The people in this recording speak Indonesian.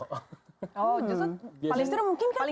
oh justru paling ganteng diantara yang lain